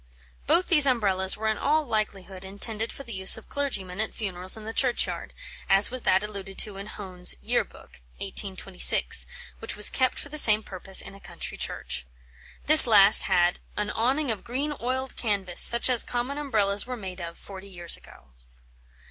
Both these Umbrellas were in all likelihood intended for the use of clergymen at funerals in the churchyard, as was that alluded to in Hone's Year Book (1826) which was kept for the same purpose in a country church. This last had "an awning of green oiled canvas, such as common Umbrellas were made of, forty years ago."